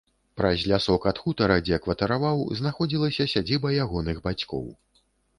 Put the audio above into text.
Праз лясок ад хутара, дзе кватараваў, знаходзілася сядзіба ягоных бацькоў.